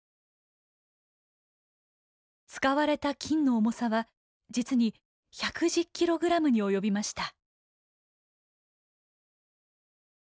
使われた金の重さは実に１１０ｋｇに及びました。